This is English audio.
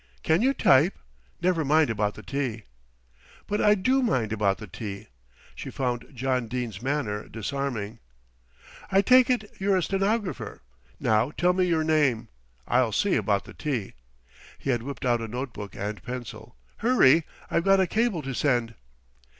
"Can you type? Never mind about the tea." "But I do mind about the tea." She found John Dene's manner disarming. "I take it you're a stenographer. Now tell me your name. I'll see about the tea." He had whipped out a note book and pencil. "Hurry, I've got a cable to send."